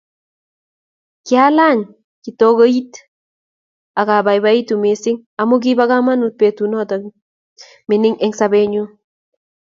Kialany kitokit akabaibaitu mising amu kibo kamanut betunoto miing eng sobenyu